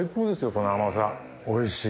この甘さおいしい！